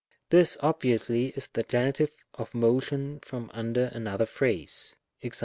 This obviously is the Gen. of motion from, under another phrase. JEJx.